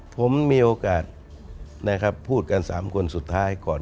ผมมีโอกาสพูดกันสามคนสุดท้ายก่อน